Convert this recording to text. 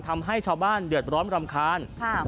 ทำให้ชาวบ้านเดือดร้อนรำคาญ